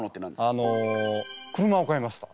あの車を買いました。